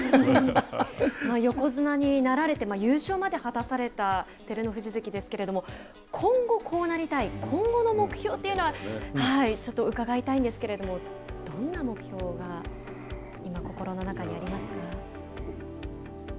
横綱になられて優勝まで果たされた照ノ富士関ですけれども今後、こうなりたいという今後の目標というのはちょっと伺いたいんですけれどもどんな目標が今心の中にありますか。